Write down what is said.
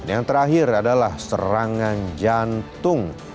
yang terakhir adalah serangan jantung